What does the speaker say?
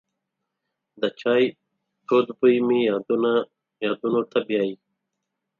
د چای تود بوی مې یادونو ته بیایي.